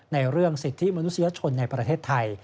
ในเรื่องสิทธิมนุษยชนในประเทศไทย